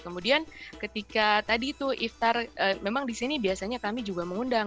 kemudian ketika tadi itu iftar memang di sini biasanya kami juga mengundang